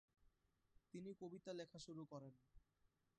তিনি কবিতা লেখা শুরু করেন।